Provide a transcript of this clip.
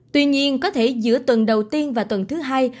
tuy nhiên có thể giữa tuần đầu tiên và tuần thứ hai